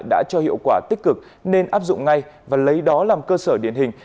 đã cho hiệu quả tích cực nên áp dụng ngay và lấy đó làm cơ sở điển hình